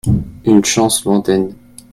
Une chance lointaine.